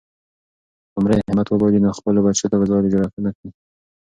که قمرۍ همت وبایلي، نو خپلو بچو ته به ځالۍ جوړه نه کړي.